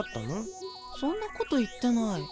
そんなこと言ってない。